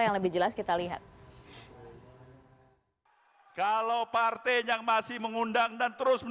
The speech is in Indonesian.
yang lebih jelas kita lihat